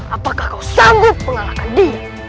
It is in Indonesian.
apakah kau sanggup mengalahkan dia